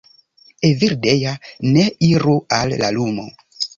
Evildea, ne iru al la lumo!